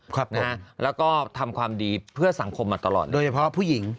ครับนะฮะแล้วก็ทำความดีเพื่อสังคมมาตลอดโดยเฉพาะผู้หญิง